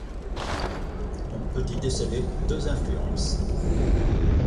On peut y déceler deux influences.